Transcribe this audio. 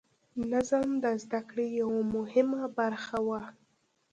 نظم د زده کړې یوه مهمه برخه وه.